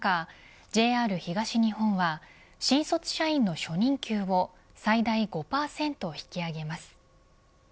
ＪＲ東日本は新卒社員の初任給を最大５％引き上げます。